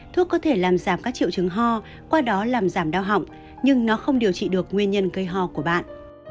thuốc có thể làm giảm các triệu chứng ho qua đó làm giảm đau họng nhưng nó không điều trị được nguyên nhân gây ho của bạn